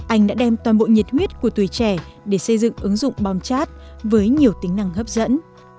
anh đã đem toàn bộ nhiệt huyết của tuổi trẻ để xây dựng ứng dụng bom chát với nhiều tính năng hấp dẫn